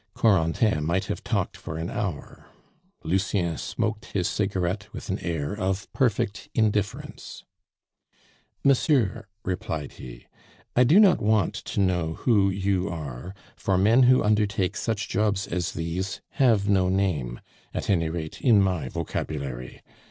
Corentin might have talked for an hour; Lucien smoked his cigarette with an air of perfect indifference. "Monsieur," replied he, "I do not want to know who you are, for men who undertake such jobs as these have no name at any rate, in my vocabulary.